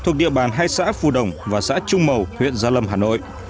thuộc địa bàn hai xã phù đồng và xã trung mầu huyện gia lâm hà nội